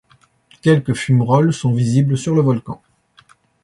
Quelques fumerolles sont visibles sur le volcan.